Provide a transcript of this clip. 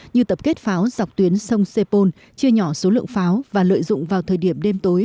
như tập kết pháo dọc tuyến sông sepol chia nhỏ số lượng pháo và lợi dụng vào thời điểm đêm tối